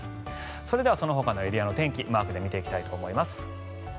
それではそのほかのエリアの天気マークで見ていきたいと思います。